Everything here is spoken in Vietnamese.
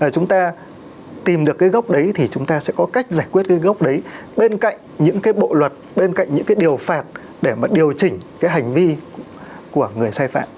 chúng ta tìm được cái gốc đấy thì chúng ta sẽ có cách giải quyết cái gốc đấy bên cạnh những cái bộ luật bên cạnh những cái điều phạt để mà điều chỉnh cái hành vi của người sai phạm